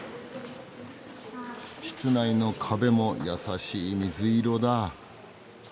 室内の壁も優しい水色だ。